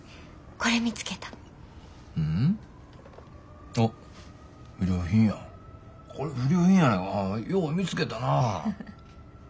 これ不良品やないかよう見つけたな。